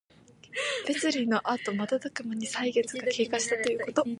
別離のあとまたたくまに歳月が経過したということ。